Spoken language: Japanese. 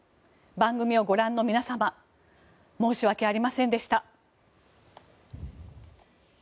番組をご覧の皆様申し訳ありませんでした。